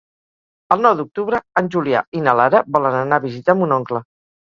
El nou d'octubre en Julià i na Lara volen anar a visitar mon oncle.